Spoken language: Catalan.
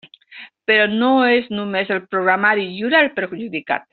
Però no és només el programari lliure el perjudicat.